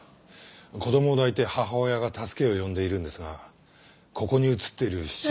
子供を抱いて母親が助けを呼んでいるんですがここに写っている７人。